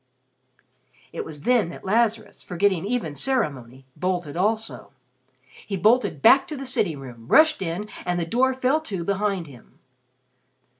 It was then that Lazarus, forgetting even ceremony, bolted also. He bolted back to the sitting room, rushed in, and the door fell to behind him.